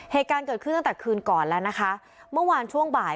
เหตุการณ์เกิดขึ้นตั้งแต่คืนก่อนแล้วนะคะเมื่อวานช่วงบ่าย